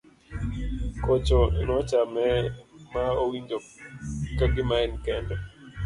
kocho nochame ma owinjo ka gima en kende